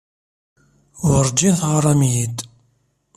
Werǧin teɣɣarem-iyi-d.